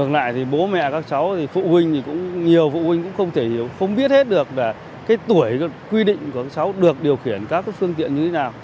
tại sao không biết hết được tuổi quy định của các trường hợp được điều khiển các phương tiện như thế nào